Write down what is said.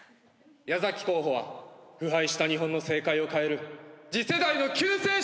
矢崎候補は腐敗した日本の政界を変える次世代の救世主です！